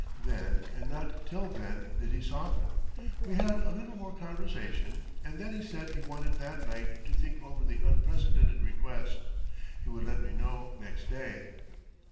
Then, and not till then, did he soften. We had a little more conversation, and then he said he wanted that night to think over the unprecedented request. He would let me know next day.